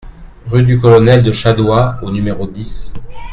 Rue du Colonel de Chadois au numéro dix